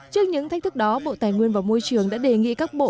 trước những thách thức đó bộ tài nguyên và môi trường đã đề nghị các bộ